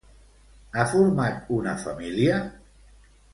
Ha format una família?